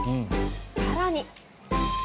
更に。